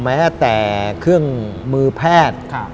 แม้แต่เครื่องมือแพทย์